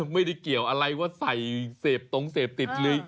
ไม่ได้เกี่ยวอะไรว่าใส่เสพตรงเสพติดหรือ